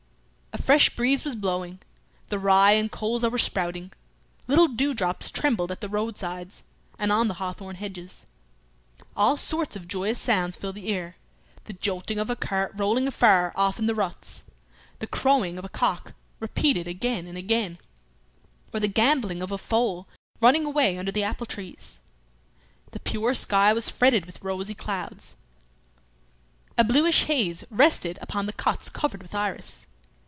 A fresh breeze was blowing; the rye and colza were sprouting, little dewdrops trembled at the roadsides and on the hawthorn hedges. All sorts of joyous sounds filled the air; the jolting of a cart rolling afar off in the ruts, the crowing of a cock, repeated again and again, or the gambling of a foal running away under the apple trees: The pure sky was fretted with rosy clouds; a bluish haze rested upon the cots covered with iris.